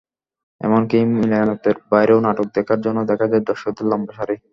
এমনকি মিলনায়তনের বাইরেও নাটক দেখার জন্য দেখা যায় দর্শকদের লম্বা সারি।